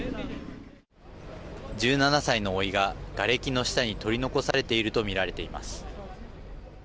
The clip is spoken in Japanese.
１７歳のおいが、がれきの下に取り残されていると見られています。